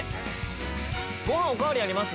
ご飯お代わりあります？